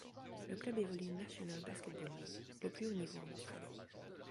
Le club évolue National Basketball League, le plus haut niveau en Australie.